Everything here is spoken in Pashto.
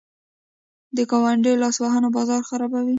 د ګاونډیو لاسوهنه بازار خرابوي.